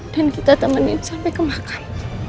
dan kita temenin sampai ke makan